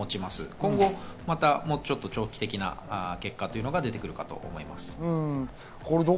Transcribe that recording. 今後、もうちょっと長期的な結果が出てくるかと思います。